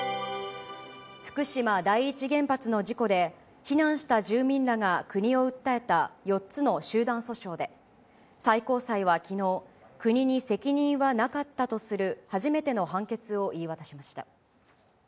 福島第一原発の事故で、避難した住民らが国を訴えた４つの集団訴訟で、最高裁はきのう、国に責任はなかったとする初めての判決を言い渡しました。